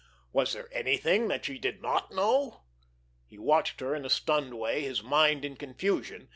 Was there anything that she did not know? He watched her in a stunned way, his mind in confusion.